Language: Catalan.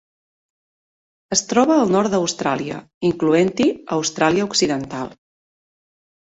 Es troba al nord d'Austràlia, incloent-hi Austràlia Occidental.